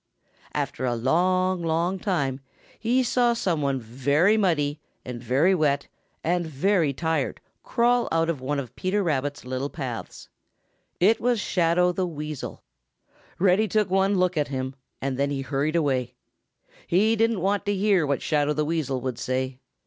After a long, long time he saw some one very muddy and very wet and very tired crawl out of one of Peter Rabbit's little paths. It was Shadow the Weasel. Reddy took one good look at him and then he hurried away. He didn't want to hear what Shadow the Weasel would say.